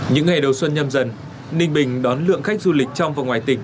những ngày đầu xuân nhâm dần ninh bình đón lượng khách du lịch trong và ngoài tỉnh